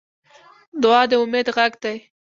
دعا د امید غږ دی.